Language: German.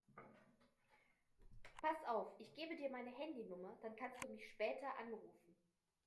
Pass auf, ich gebe dir meine Handynummer, dann kannst du mich später anrufen.